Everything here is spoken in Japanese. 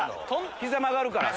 膝曲がるから。